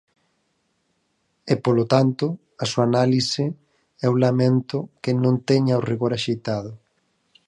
E, polo tanto, a súa análise eu lamento que non teña o rigor axeitado.